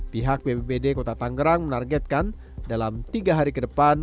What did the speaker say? pihak bpbd kota tanggerang menargetkan dalam tiga hari ke depan